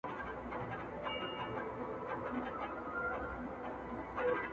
o په دوبي چيري وې، چي په ژمي راغلې.